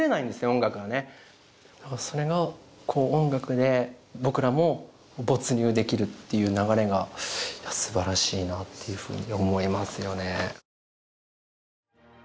音楽がねだからそれが音楽で僕らも没入できるっていう流れが素晴らしいなっていうふうに思いますよね